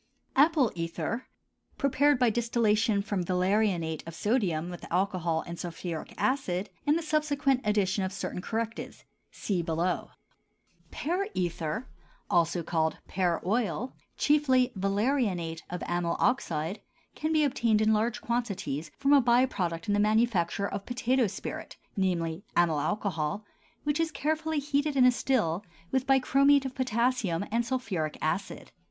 APPLE ETHER, prepared by distillation from valerianate of sodium with alcohol and sulphuric acid, and the subsequent addition of certain correctives (see below). PEAR ETHER, also called pear oil, chiefly valerianate of amyl oxide, can be obtained in large quantities from a by product in the manufacture of potato spirit, namely, amyl alcohol, which is carefully heated in a still with bichromate of potassium and sulphuric acid.